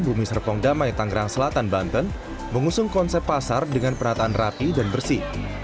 bumi serpong damai tanggerang selatan banten mengusung konsep pasar dengan perataan rapi dan bersih